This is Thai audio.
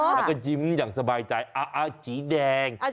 เนอะค่ะอ่ะเจ๋งจริงอย่างสบายใจสีแดง